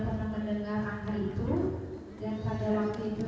berapa orang artis yang sudah itu